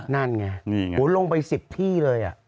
นั่นไงลงไป๑๐ที่เลย